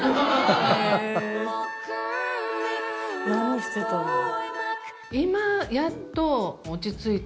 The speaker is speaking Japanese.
何してたんだろう？